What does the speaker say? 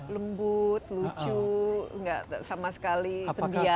lembut lucu nggak sama sekali pendiam